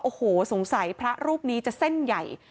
โอ้โหสงสัยพระรูปนี้จะเส้นใหญ่